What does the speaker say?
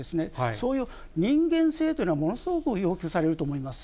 そういう人間性というのは、ものすごく要求されると思います。